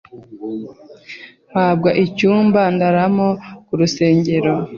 mpabwa icyumba ndaramo ku rusengero